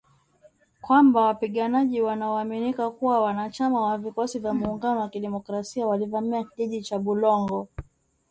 Kwamba wapiganaji wanaoaminika kuwa wanachama wa Vikosi vya Muungano wa Kidemokrasia walivamia kijiji cha Bulongo.